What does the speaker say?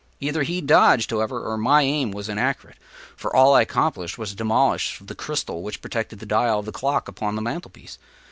Either he dodged, however, or my aim was inaccurate; for all I accomplished was the demolition of the crystal which protected the dial of the clock upon the mantel piece.